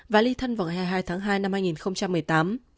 và ly thân vào ngày hai mươi hai tháng hai năm hai nghìn một mươi tám